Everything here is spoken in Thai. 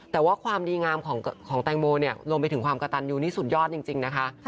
แต่ว่าความดีงามของแตงโมเนี่ยรวมไปถึงความกระตันยูนี่สุดยอดจริงนะคะ